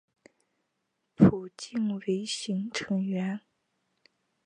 浦井唯行成员。